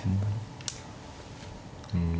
うん。